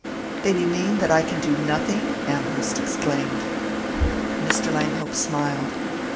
"Then you mean that I can do nothing?" Amherst exclaimed. Mr. Langhope smiled.